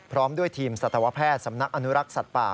พร้อมด้วยทีมสัตวแพทย์สำนักอนุรักษ์สัตว์ป่า